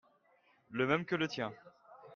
Le même que le tien.